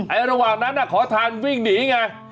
ระหว่างนั้นขอทานวิ่งหนีไง